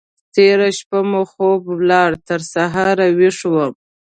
تېره شپه مې خوب ولاړ؛ تر سهار ويښ وم.